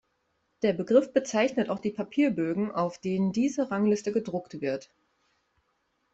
Der Begriff bezeichnet auch die Papierbögen, auf denen diese Rangliste gedruckt wird.